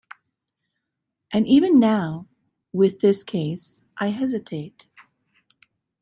And even now, with this case, I hesitate.